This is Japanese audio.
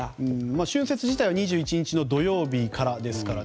春節自体は２１日の土曜日からですからね。